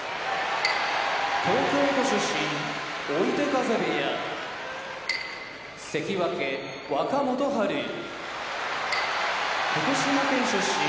東京都出身追手風部屋関脇・若元春福島県出身荒汐部屋